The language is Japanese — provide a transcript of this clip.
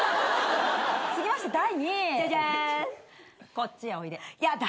「こっちへおいで」やだ。